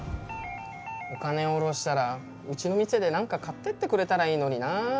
お金を下ろしたらうちの店で何か買ってってくれたらいいのになあ。